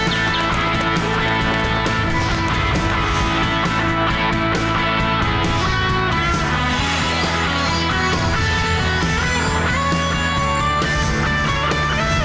โปรดติดตามตอนต่อไป